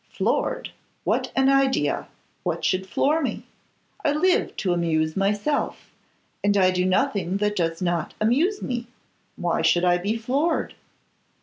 'Floored! what an idea! What should floor me? I live to amuse myself, and I do nothing that does not amuse me. Why should I be floored?